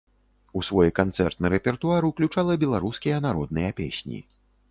У свой канцэртны рэпертуар ўключала беларускія народныя песні.